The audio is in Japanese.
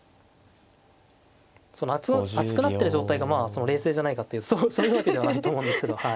その熱くなってる状態がまあ冷静じゃないかっていうとそういうわけではないと思うんですけど。